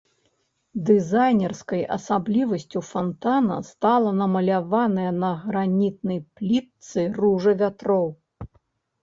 Дызайнерскай асаблівасцю фантана стала намаляваная на гранітнай плітцы ружа вятроў.